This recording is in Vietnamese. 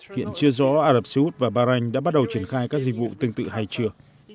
hiện chưa rõ ả rập xê út và bahrain đã bắt đầu triển khai các dịch vụ tương tự hay chưa